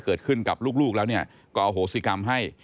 เกิดขึ้นกับลูกแล้วก็เอาโหสิกรรมให้